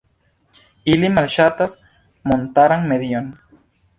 Ili malŝatas montaran medion.